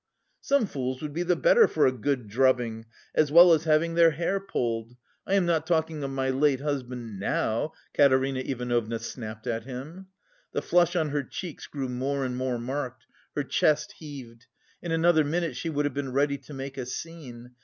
"Some fools would be the better for a good drubbing, as well as having their hair pulled. I am not talking of my late husband now!" Katerina Ivanovna snapped at him. The flush on her cheeks grew more and more marked, her chest heaved. In another minute she would have been ready to make a scene.